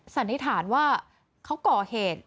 สันนิษฐานว่าเขาก่อเหตุ